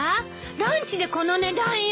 ランチでこの値段よ。